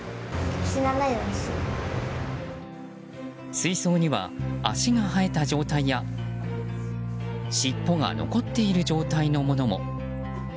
水槽には脚が生えた状態やしっぽが残っている状態のものも。